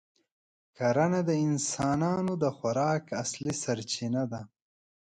کرنه د انسانانو د خوراک اصلي سرچینه ده.